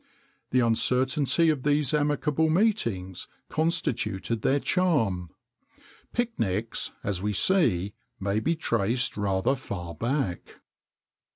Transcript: [XXIX 61] The uncertainty of these amicable meetings constituted their charm. Pic nics, as we see, may be traced rather far back.